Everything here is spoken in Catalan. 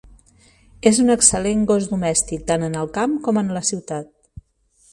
És un excel·lent gos domèstic tant en el camp com en la ciutat.